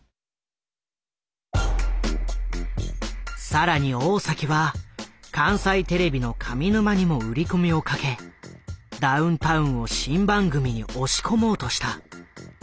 更に大は関西テレビの上沼にも売り込みをかけダウンタウンを新番組に押し込もうとした。